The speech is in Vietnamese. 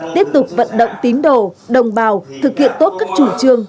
tiếp tục vận động tín đồ đồng bào thực hiện tốt các chủ trương